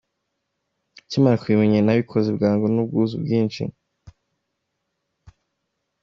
Akimara kubinyemerera, nabikoze bwangu n’ubwuzu bwinshi.